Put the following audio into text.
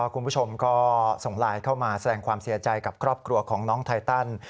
คุณผู้ชมก็ส่งไลน์เข้ามาแสดงความเสียใจกับครอบครัวของน้องไทตัน